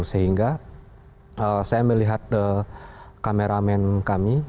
sehingga saya melihat kameramen kami